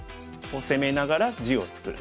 攻めながら地を作る。